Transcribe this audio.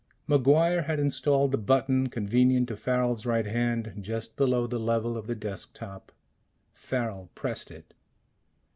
MacGuire had installed the button convenient to Farrel's right hand, just below the level of the desk top. Farrel pressed it.